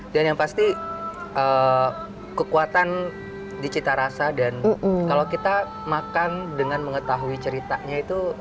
dan yang pasti kekuatan di cita rasa dan kalau kita makan dengan mengetahui ceritanya itu